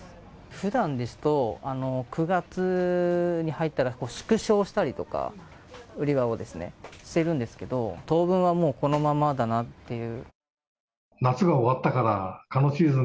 ふだんですと、９月に入ったら縮小したりとか、売り場をですね、してるんですけど、当分はもう、このままだなっていう。